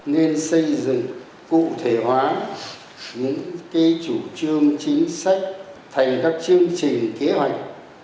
nên xây dựng cụ thể hóa những cái chủ trương chính sách thành các chương trình kế hoạch